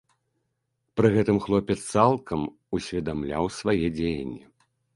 Пры гэтым хлопец цалкам усведамляў свае дзеянні.